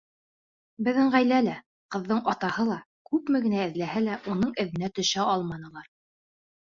Беҙҙең ғаилә лә, ҡыҙҙың атаһы ла, күпме генә эҙләһә лә, уның эҙенә төшә алманылар.